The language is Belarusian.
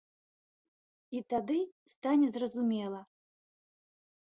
І тады стане зразумела.